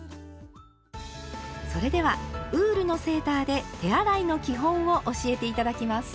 それではウールのセーターで手洗いの基本を教えて頂きます。